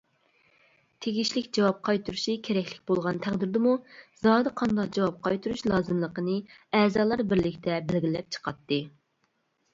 تېگىشلىك جاۋاب قايتۇرۇشى كېرەكلىك بولغان تەقدىردىمۇ، زادى قانداق جاۋاب قايتۇرۇش لازىملىقىنى ئەزالار بىرلىكتە بەلگىلەپ چىقاتتى.